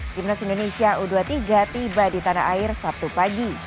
timnas indonesia u dua puluh tiga tiba di tanah air sabtu pagi